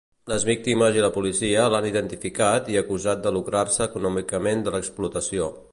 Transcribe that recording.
Les víctimes i la policia l'han identificat i acusat de lucrar-se econòmicament de l'explotació.